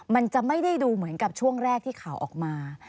มันจะไม่ได้ดูเหมือนกับช่วงแรกที่ข่าวออกมา